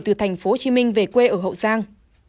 từ thành phố hồ chí minh về quê ở hậu giang